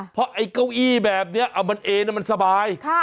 เพราะไอ้เก้าอี้แบบนี้เอามันเอ็นมันสบาย